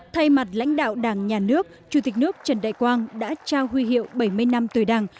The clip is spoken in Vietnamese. thay mặt lãnh đạo đảng nhà nước chủ tịch nước trần đại quang đã trao huy hiệu bảy mươi năm tuổi đảng